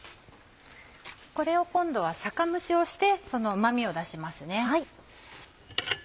これを今度は酒蒸しをしてうま味を出します。